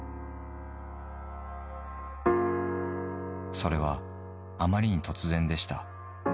それはあまりに突然でした。